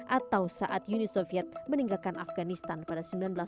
atau saat uni soviet meninggalkan afganistan pada seribu sembilan ratus sembilan puluh